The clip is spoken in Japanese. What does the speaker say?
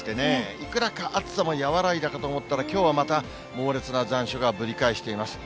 いくらか暑さも和らいだかと思ったら、きょうはまた、猛烈な残暑がぶり返しています。